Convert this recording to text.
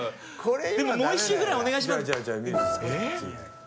でももう１周ぐらいお願いします！